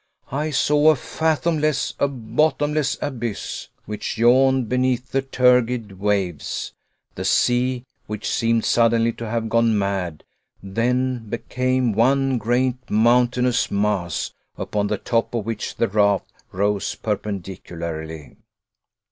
I saw a fathomless, a bottomless abyss, which yawned beneath the turgid waves. The sea, which seemed suddenly to have gone mad, then became one great mountainous mass, upon the top of which the raft rose perpendicularly.